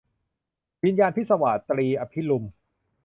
วิญญาณพิศวาส - ตรี อภิรุม